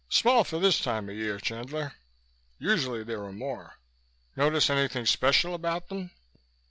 Small for this time of year, Chandler. Usually there are more. Notice anything special about them?"